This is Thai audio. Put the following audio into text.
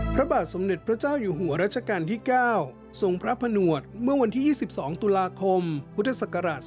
พระบาทสมเด็จพระเจ้าอยู่หัวรัชกาลที่๙ทรงพระผนวดเมื่อวันที่๒๒ตุลาคมพุทธศักราช๒๕๖